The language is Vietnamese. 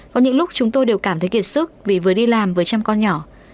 có những lúc chúng tôi đều cảm thấy kiệt sức vì vừa đi làm với trăm con nhỏ